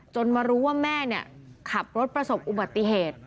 จนมารู้ว่าม่าแม่เนี่ยขับรถประสบอุบัติเหตุ